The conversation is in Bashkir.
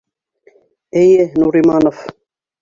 Эйе, Нуриманов.